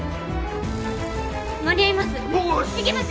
間に合います！